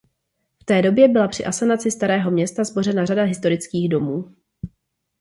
V té době byla při asanaci starého města zbořena řada historických domů.